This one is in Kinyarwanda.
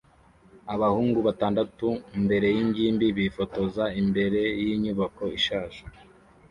Abahungu batandatu mbere yingimbi bifotoza imbere yinyubako ishaje